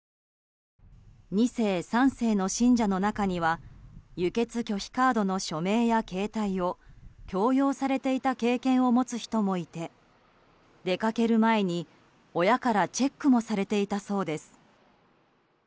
２世、３世の信者の中には輸血拒否カードの署名や携帯を強要されていた経験を持つ人もいて出かける前に親からチェックもされていたそうです。